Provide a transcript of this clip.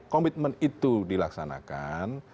komitmen itu dilaksanakan